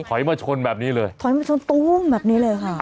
ถอยมาชนแบบนี้เลยถอยมาชนตู้มแบบนี้เลยค่ะ